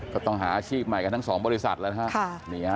ก็ต้องหาอาชีพใหม่กันทั้ง๒บริษัทแล้วนะฮะ